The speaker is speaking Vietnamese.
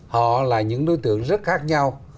họ là những đối tượng rất khác nhau